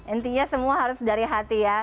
intinya semua harus dari hati ya